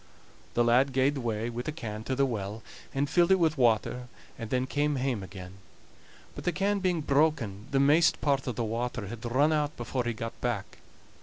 The lad gaed away wi' the can to the well, and filled it wi' water, and then came away hame again; but the can being broken the maist part of the water had run out before he got back.